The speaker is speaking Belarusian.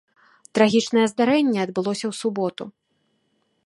Трагічнае здарэнне адбылося ў суботу.